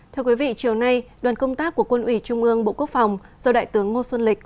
thưa quý vị chiều nay đoàn công tác của quân ủy trung ương bộ quốc phòng do đại tướng ngô xuân lịch